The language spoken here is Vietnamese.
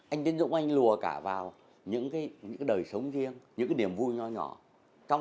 anh tiến dũng anh lùa cả vào những cái những cái đời sống riêng những cái điểm vui nho nhỏ trong